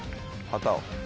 旗を。